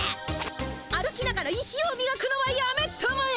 歩きながら石をみがくのはやめたまえ！